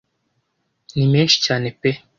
Ni menshi cyane pe